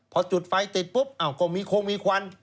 พอจุดไฟติดปุ๊บก็มีคงมีควัน